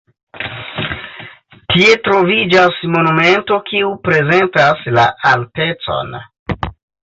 Tie troviĝas monumento kiu prezentas la altecon.